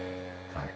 はい。